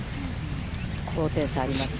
高低差があります。